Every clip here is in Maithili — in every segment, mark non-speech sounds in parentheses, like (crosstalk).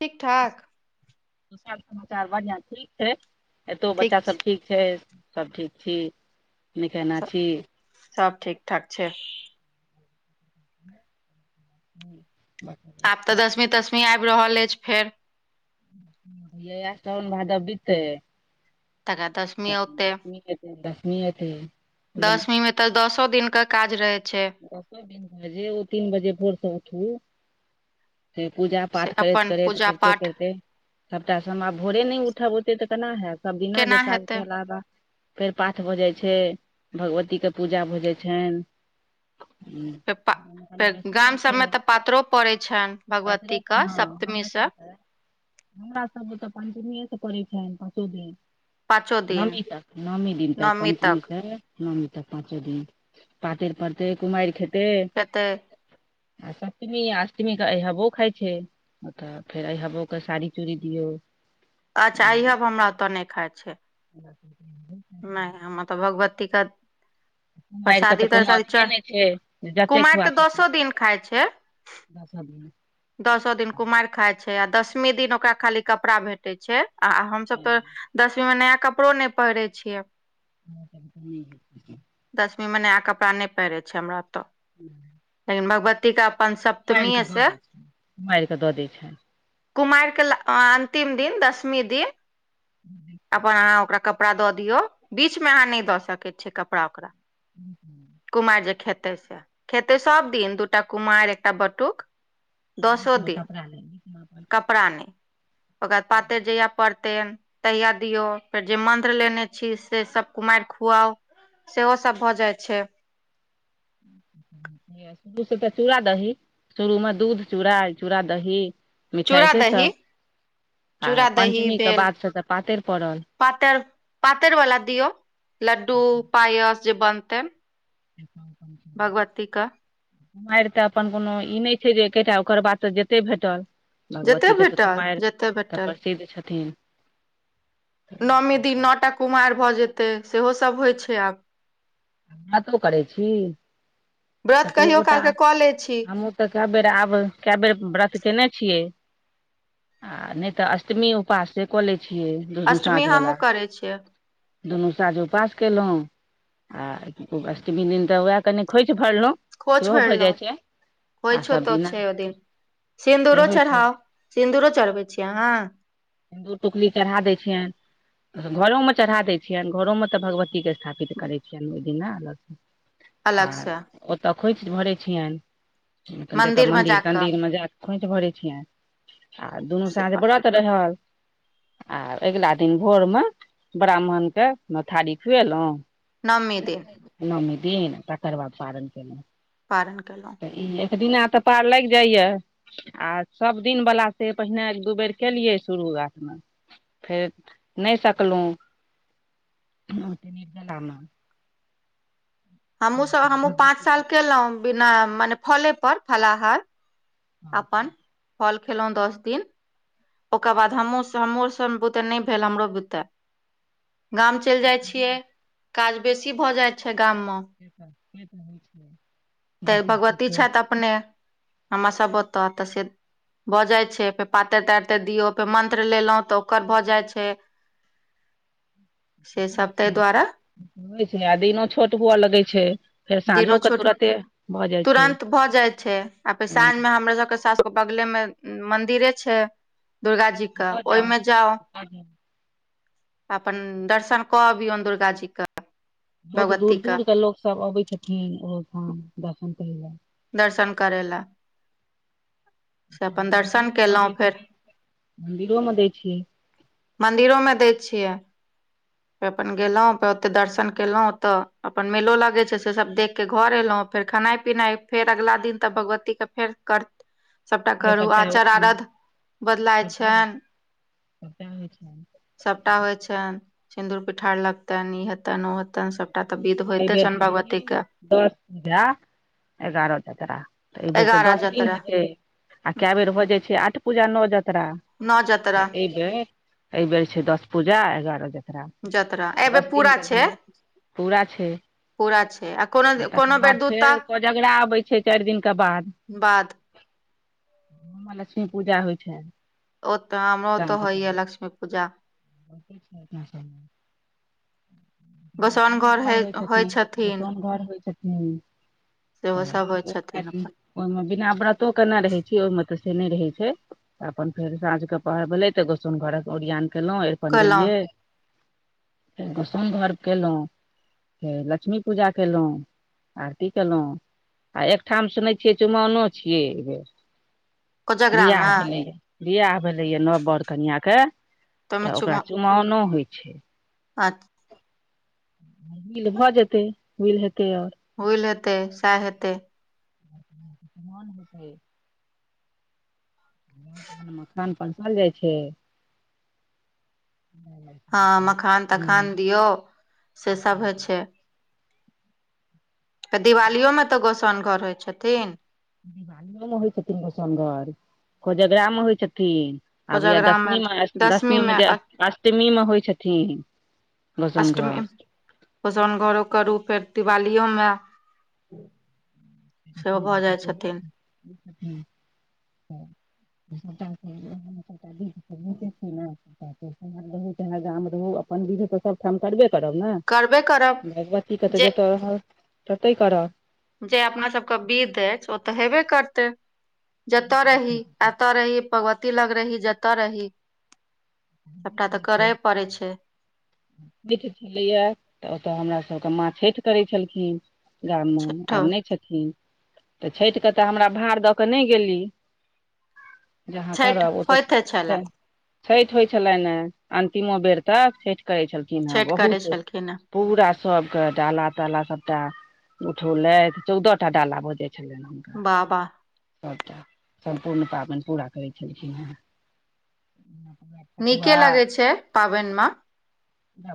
ठीक ठाक त सर समाचार बढ़िआं ठीक छै एतौ बच्चा सब ठीक छै सब ठीक छी निकेना छी सब ठीक ठाक छै (inaudible) आब तऽ दसमीं तसमीं आबि रहल अछि फेर साओन भादब बिततै तका दस (unintelligible) दसवीं में तऽ दसो दिन क काज रहै छै दसो दिन जे ओ तीन बजे भोर सँ उठू फेर पूजा पाठ से करैत अपन करैत पूजा करिते पाठ करिते सबटा समय भोरे नइ उठब ओते तऽ केना हैत सब दिना जे केना काज हेतै कैलहबा फेर पाठ भऽ जाइ छै भगवती के पूजा भऽ जाइ छनि फेर पा कनि फेर बेसी होइ गाम छै सभमे तऽ पातरो पड़ै छनि पातरो भगवती क हँ सप्तमी हमरा से सबके हमरा सब ओतऽ पञचमीेय से पड़ै छै पाँचो दिन पाँचो दिन नवमी तक नवमी दिन तक नवमी पन्चमी तक से नवमी तक पाँचो दिन पातरि पड़तै कुमारि खेतै खेते आ सप्तमी आ अष्टमी के अइहबो खाइ छै ओ तऽ फेर अइहबोे के साड़ी चूड़ी दियौ अच्छा अइहब हमरा ओतऽ नइ खाइ छै (inaudible) नहि हमर तऽ भगवती क कुमारि के प्रसादी तऽ कोनो तरसादी च अथिये नहि छै जते कुमारि तऽ दसो दिन खाय छै दसों दिन दसो दिन कुमारि खाय छै आ दसमी दिन ओकरा खाली कपड़ा भेट टै छै आ हमसभ तऽ दसवी मे नया कपड़ो नहि पहिरै छियै (inaudible) दसमी मे नया कपड़ा नइ पहिरै छै हमरा ओतऽ ह (inaudible) लेकिन भगवती के अपन सप्तमीये से मारि कऽ दऽ दै छनि कुमारिके ल अन्तिम दिन दसमी दिन छनि अपन अहाँ ओकरा कपड़ा दऽ दियौ बीच में अहाँ नइ दऽ सकै छियै कपड़ा ओकरा (inaudible) कुमारि जे खेतै से खेतै सब दिन दूटा कुमारि एकटा बटुक बीच दसो मे दिन कपड़ा नै कपड़ा नइ ओकरा पातरि जहिया पड़तै तहिया दियो फेर जे मन्त्र लेने छी से सब कुमारि खुआउ सेहो सभ भऽ जाइ छै (inaudible) शुरू से तऽ चूड़ा दही शुरू मे दूध चूड़ा चूड़ा दही मिठाइ चूड़ा से दही सब आ चूड़ा दही पञ्चमीके भेल बादसँ तऽ पातरि पड़ल पातरि पातरि वाला दियौ लड्डू पायस जे बनते (inaudible) भगवती क मारि तऽ अपन कोनो ई नहि छै जे एकेटा ओकर बाद तऽ जेते भेटल जते भगवतीक के तऽ भेटल कुमारि जते तऽ भेटल प्रसिद्ध छथिन नौमि दिन नओ टा कुमारि भऽ जेतै सेहो सभ होइ छै आब व्रतो करै छी व्रत कतेक कहियो गोटा काल के कऽ लै छी हमहु तऽ कए बेर आब कए बेर व्रत केने छियै आ नहि तऽ अष्टमी उपासे कऽ लै छियै दुनू अष्टमी साँझ बला हमहुँ करै छियै दुनू साँझ उपास केलौ आ अष्टमी दिन तऽ उएह कनि खोइच भरलहुँ खोच सेहो भऽ भरलो जाइ छै आ होइ छ सभ तो दिना छै ओ दिन से सिन्दूरो होइ छै चढ़ाव सिन्दूरो चढ़बै छी अहाँ सिन्दूर टुकली चढ़ा दै छियनि घरोमे चढ़ा दै छियनि घरोमे तऽ भगवतीके स्थापित करै छियनि ओहि दिना अलग सँ आ अलग से ओतय खोइच भरैत छियनि मतलब जतय मंदिर मे मन्दिर जाकऽ तन्दिर मे जा क खोंच भरे छियै आ दुनू से प- सांक्ष व्रत रहल आ अगिला दिन भोर मे ब्राह्मण के नोथारी खुएलहु नवमी दिन नओमी दिन तकर वाद पारन केनो पारन केलो तऽ ई एक दिना तऽ पार लागि जाइया आ सभ दिन बला से पहिने एक दू बेर केलियै शुरूआात मे फेर नहि सकलहु हमहु सब हमहुँ पाँच भगवती साल केलहुँं बिना मने फले पर फलाहार अपन फल खेलहुँं दस दिन ओकर बाद हमो सन हमो सब बुते नहि भेल हमरो बुते गाम चलि जाइ छियै काज बेसी भऽ जाइ छै गाम मे (inaudible) तऽ बच्चा छै भगवती छथि अपने हमर सभ ओतऽ तऽ से भऽ जाइ छै फेर पातरि तारते दियौ फेर मन्त्र लेलहुँ तऽ ओकर भऽ जाइ छै (inaudible) से सब ताहि दुआरे हो छै आ दिनो छोट हुअ लगै छै फेर दिनो साँझोके छोट तुरते भऽ जाइ छै तुरन्त भऽ जाइ छै साँझ तुरन्त मे हमरा सबके सासुर बगले मे मंदिरे छै दुर्गा जी के ओहिमे जाउ त अपन दर्शन कऽ अबियौ दुर्गा जी क बहुत दूर दूरके लोकसभ अबै छथिन ओहोठाम दर्शन करय ल दर्शन करै लए से अपन दर्शन केलहुँ फेर मन्दिरो मै दै छी यै मंन्दिरो मे दैत छियै फे अपन गेलहुँ फेर ओते दर्शन केलहुं ओते अपन मेलो लगे छै से सब देख के घर एलहुँं फेर खेनाइ पिनाइ फेर अगा दिन तऽ भगवती के फेर कर ह (inaudible) सभटा करू आचार अरध बदलाय सबटा होइ छनि (inaudible) सभटा होइ छनि सिन्दूर पिठार लगतान ई हैतान वो हेतां एहिबेर छथिन के दस पूजा एगारह जतरा तऽ एहि बेेर तऽ एगारह दस दिन जतरा हेतै आ कए बेर भऽ जाइ छै आठ पूजा नओ जत्ररा नओ जतरा तऽ एहि बेर एहि बेर छै दस पूजा एगारह जत जतरा एबे पूरा छै पूरा छै पूरा छै कोनो आ तकर कोनो बेर बाद दूटा फेर कोजगरा अबै छै चारि दिनके बाद बाद लक्ष्मी पूजा होइ छै ओत हमरो तो होइया लक्ष्मी पूजा बहुत (unintelligible) दसनो घर होइ छथिन दसन घर होइ छथिन सेहो सब तऽ होइ ओ ख छथिन अपन ओहिमे बिना व्रतो केने रहैत छी ओहिमे तऽ से नहि रहैत छै तऽ अपन फेर साँझ के पहर भेलै तऽ गोसुन घरक ओरियान केलहुँ अपन कहलहुँ देलियै गोसनघर केलहुँं त लक्ष्मी पूजा केलो आरती केलहुँ आ एकठाम सुनै छियै चुमाओनो छियै एहि बेर कोजगरा बिआाह मे भेलैए बिआाह भेलैए नव बर कनिआके तऽ ओकरा चू मानो होइ छै अच विल भऽ जेतै विल हेतै ओर हुइल हेतै सैह हेतै मन होतै (unintelligible) कान पर चल जाइ छै हँ मखान तखान दियौ से सब होइ छै दिवालियोमे तऽ गोसाउनि घर होइ छथिन दिवालीयो मे होइ छथिन गोसोनघर कोजगरामे होइ छथिन आब उएह कोजगरा मे दशमीमे दसमी मे दसमीमे जे अष्टमीमे होइ छथिन गोसोन घर गोसोनघर ओकर रूपे दिवालियो मे सेहो भऽ जाइ छथिन (unintelligible) (unintelligible) श रहू चाहे गाम रहु अपन विध तऽ सबठाम करबे करब ने करबे करब भगवतीके तऽ जे जतऽ रह तते करब जे अपना सबके विध अछि ओ तऽ हेबे करतै जतय रही एतऽ रही भगवती लग रही जतऽ रही सबटा तऽ करे पड़े छै छठि छलैया तऽ ओतऽ हमरा सबके मा छठि करै छलखिन गाममे छठो आब नहि छथिन तऽ छठिके तऽ हमरा भार दऽ कऽ नहि गेली जे आहाँ छठि करब होइते छलए (unintelligible) छठि होइ छलनि ह अन्तिमो बेर तक छठि करै छलखिन हेँ छठि करै बहुत छलखिन हे पूरा सबके डाला ताला सबटा उठौलैथ चौदह टा डाला भ जै छलै बा बा सभटा सम्पूर्ण पाबनि पूरा करै छलखिन हेँ ठकुआ नीके लगे छै पाबन मे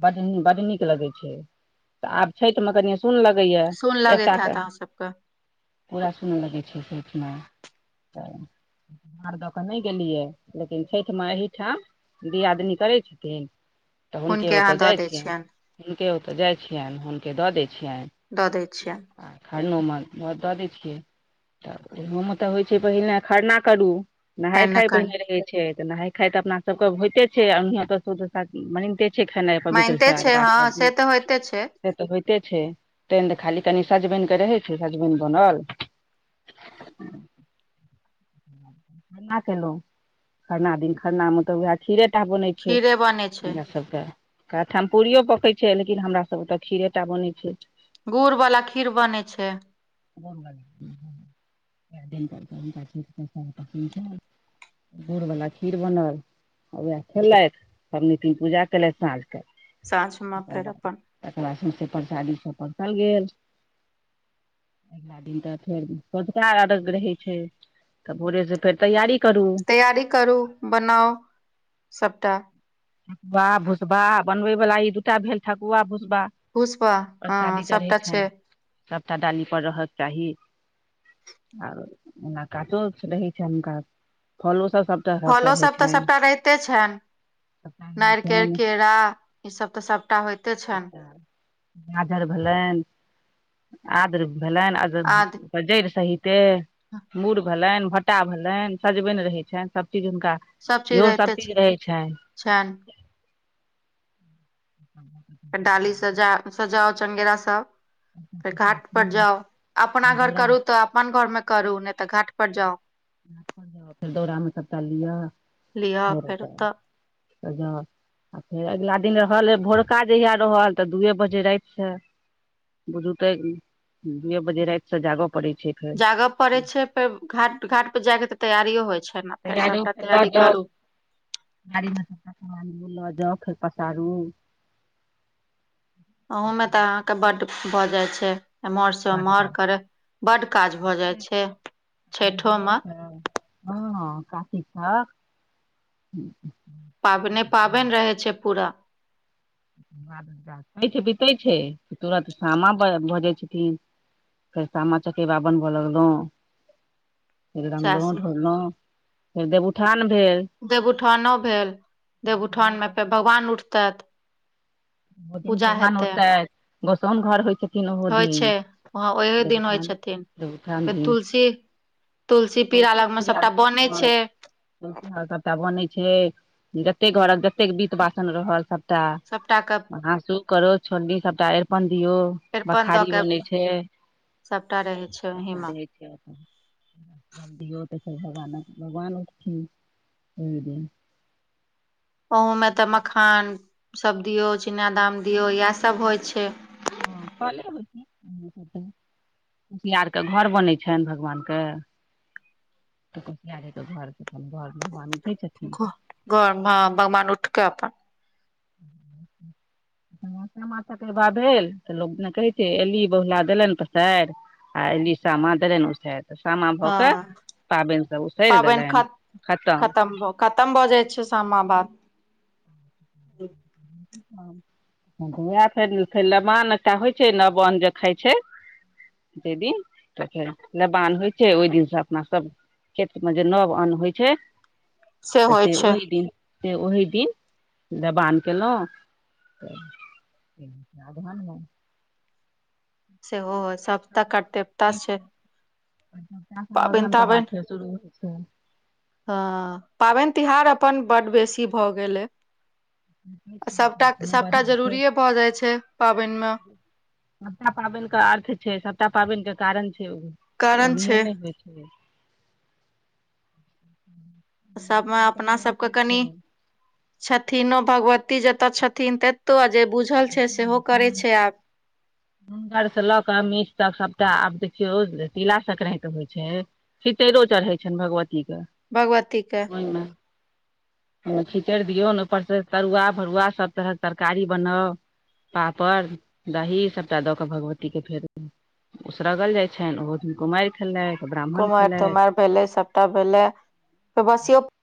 बड़ बड नीक लगै छै तऽ आब छठि मे कनि सुन लगैया सुन एकटा लगैत हैत के अहाँ सबके पूरा सुन लगै छै छठि मे भार दऽ कऽ नहि गेलियै लेकिन छठिमे एठाम दियादनी करै छथिन तऽ हुनके ओतऽ अहाँ दऽ जाइत दै छियनि हुनके ओतऽ जाइत छियनि हुनके दऽ दै छियनि दऽ दै छियनि आ खरनोमे दऽ दै छियै तऽ ओहोमे तऽ होइ छै पहिने खरना करू नहाय खाय छियनि पहिने रहै छै तऽ नहाय खाय तऽ अपना सबके होइते छै (unintelligible) छै खेनाइ पवित्र स मानिते छै अरबा हँ से तऽ सबचीज होइते छै से तऽ होइते छै तहन तऽ खाली कनि सजमनि केँ रहै छै सजमनि बनल (inaudible) खरना केलहुँं खरना दिन खरना मे तऽ वएह खीरे टा बनै छै खीरे बनै छै हमरा सभ केँ कै ठाम पूड़ियो पकैत छै लेकिन हमरा सभ ओतय खीरे टा बनैत छै गुड़ वाला खीर बनै छै (unintelligible) गुड़वला खीर बनल वएह खेलथि पबनि दिन पूजा कयलथि साँझक साँझ मे फेर अपन तकरबाद सौसे परसादी सभ परसल गेल अगिला दिन तऽ फेर सँझुका अर्घ्य रहै छै तऽ भोरे से फेर तैयारी करू तैयारी करू बनाउ सबटा ठकुवा भुसबा बनबय वला ई दू टा भेल ठकुआ भुसबा पुष्पा हँ प्रसादी चढ़य सबटा छै सभटा डाली पर रहक चाही आर ओना कचो रहै छै हुनका फलो सब सब फलो चढ़ै सभ तऽ छनि सभटा रहिते छनि सबटा रहै नारिकेर छनि केरा ई सब तऽ सभटा होइते छनि सबटा गाजर भेलनि आदरक भेलनि आरो आदि जड़ि सहित ते मुर भेलनि भाटा भेलनि सजबनि रहै छनि सभ चीज हुनका सब चीज इहो रहिते छै रहै छनि छनि (inaudible) (inaudible) डाली सजा सजाओ चंगेरा सब फेर घाट पर जाउ अपना घर दौरा करू तऽ अपन घर मे करू नहि तऽ घाट पर जाउ फर दोड़ा मे सब टा लियऽ लिअ फेर त ओतऽ सजाउ आ फेर अगिला दिन रहल भोरका जहिया रहल तऽ दूए बजे राति से बुझू तऽ एउ दुए बजे राति सँ जागऽ पड़ैत छै फेर जागऽ पड़ै छै फेर घाट घाट पर जाय केँ तऽ तैयारियो होय छै न फेर तैयारो सबटा लऽ तैयारी जाउ करू गाड़ी मे सब टा समान लऽ जाउ फेर पसारू ओहो मे तऽ अहाँ केँ बड्ड भऽ जाइ छै एमहर सँ बड बड़ ओमहर करे बड काज भऽ जाइ छै छैठो म हँँ कार्तिक छठ पाबनि पाबैन रहैत छै पूरा छैठ बितै छै कि तुरत सामा भऽ जाइ छथिन फेर सामा चकेबा बनबय लगलउ फेर सएह रङ्गलहुँ से ढोड़लहुँ फेर देवउठान भेल देवउठानो भेल देवउठानो देवउठान मे तऽ फेर भगवान उठतथि ओहि दिन भगवान उठतथि गोसाउं घर होइ छै होइ छै हाँ ओहो दिन होइ छथिन देवउठान फेर दिन तुलसी तुलसी पीरा लग मे सब टा बनै छै त्यहार सबटा बनै छै जते घरक जतेक बीत बासन रहल सबटा सबटा कऽ हाँसू करोछ छोलली सब टा अरिपन दियौ अरिपन बखारी दऽ के बनै छै सभटा रहै छै सब ओहि टा मे रहै छै सब दियौ तऽ भगवानक भगवान उठथिन ओहि दिन (inaudible) ओहमे तऽ मखानसभ दियौ चीनादाम दियौ इएहसभ होइ छै हँ कले होइ छै कुसियार के घर बनै छनि भगवानके तऽ कुसियरे घरके घरमे बनते घ घर ह भगवान उठके अपन (inaudible) माथा भा भेल तऽ लगने कहै छै एली बौला देलनि पसार आ एल समान ते न उसतै तऽ सामा भऽ कऽ हँ पाबनि सब उसरि पाबनि ख देलनि खतम खतम भऽ जाइ छै शामाबाद (inaudible) ओएह फेरे नमानटा होइत छै नव अन्न जे खाइत छै दिन तऽ फेर लेबान होइ छै ओहि दिनसँ अपना सब खेत मे जे नव अन्न होइ छै तऽ होइ से छै ओहि दिन से ओहि दिन देबान केलौं सेहो सब तऽ कर्तेव्यता छै आब पाबनि अगहनके बाद ताबनि फेर शुरू होइ छै हँ पाबनि तिहार अपन बड्ड बेसी भऽ गेल अ होइ छै अपना सभटा कोनो बात सभटा होइ छै जरूरिए भऽ जाइत छै पाबनिमे सभटा पाबनिके अर्थ छै सभटा पाबनिके कारण छै कारण छै ओनाहि ने हो (unintelligible) सभमे अपना सबके कनि छथिनो भगवती जतय छथिन तऽ त जे बुझल छै सेहो करैत छै आब गर से लऽ क मीच तक सबटा आब देखियौ तिला संक्रान्ति होइ छै खिचैड़ो चढ़ै छनि भगवतीक के भगवती के ओहिमे ह खिचड़ दियऔ ने ऊपर से तरुआ भरुआ सब तरहक तरकारी बनाउ पापड़ दही सभटा दऽ कऽ भगवतीके फेर उसरागल जाइ छनि ओहो दिन कुमारी खेलै ब्राह्म कुमारी तुमाइर भेलै सबटा भेलै बसियौ